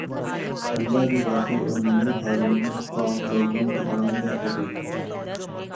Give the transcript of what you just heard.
حمزہ علی عباسی اور Naimal Khawar Khan lockdown کے دوران کیا کررہے ہیں